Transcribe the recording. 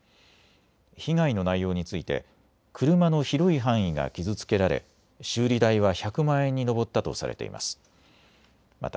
被害の内容について車の広い範囲が傷つけられ修理代は１００万円に上ったとされています。